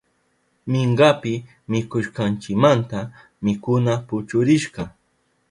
Minkapi mikushkanchimanta mikuna puchurishka.